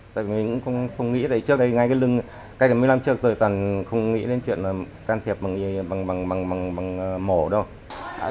tại vì mình cũng không nghĩ tại trước đây ngay cái lưng cái lần mới làm trước rồi toàn không nghĩ đến chuyện can thiệp bằng mổ đâu